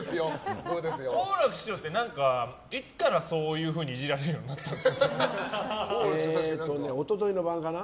好楽師匠っていつからそういうふうにイジられるように一昨日の晩かな？